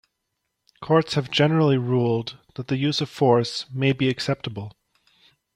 Courts have generally ruled that the use of force may be acceptable.